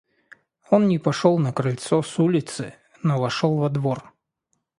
Он не пошел на крыльцо с улицы, но вошел во двор.